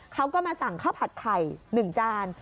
เขาก็มาสั่งข้าวผัดไข่๑จาน